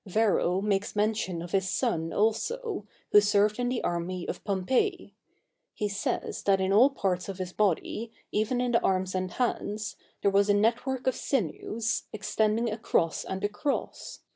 Varro makes mention of his son also, who served in the army of Pompey. He says, that in all parts of his body, even in the arms and hands, there was a network of sinews, extending across and across.